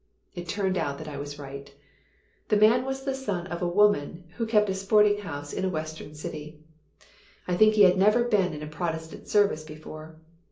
It turned out that I was right. The man was the son of a woman who kept a sporting house in a Western city. I think he had never been in a Protestant service before.